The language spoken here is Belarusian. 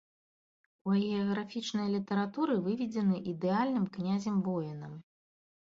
У агіяграфічнай літаратуры выведзены ідэальным князем-воінам.